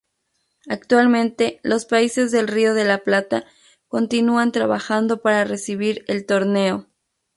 Actualmente, los países del Río de la Plata continúan trabajando para recibir el torneo.